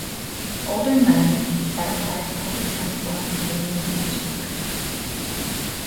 Older men that rides public transport when reading newspaper.